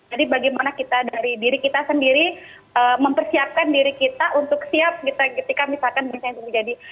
jadi bagaimana kita dari diri kita sendiri mempersiapkan diri kita untuk siap ketika misalkan misalnya terjadi